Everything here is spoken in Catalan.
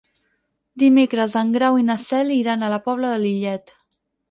Dimecres en Grau i na Cel iran a la Pobla de Lillet.